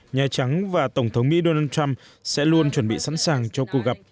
nhà trắng và tổng thống mỹ donald trump sẽ luôn chuẩn bị sẵn sàng cho cuộc gặp